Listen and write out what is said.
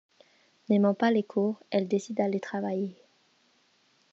N'aimant pas les cours, elle décide d'aller travailler.